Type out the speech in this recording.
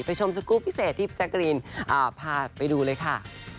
ไปชมสกุลพิเศษที่พี่แจ๊กกะลินพาไปดูเลยค่ะ